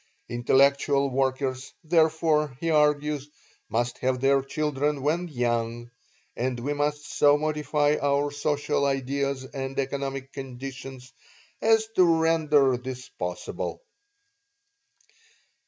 Intellectual workers, therefore, he argues, must have their children when young, and we must so modify our social ideals and economic conditions as to render this possible.